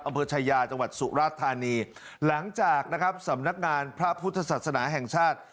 อำเภอชายาจังหวัดสุราชธานีหลังจากนะครับสำนักงานพระพุทธศาสนาแห่งชาติ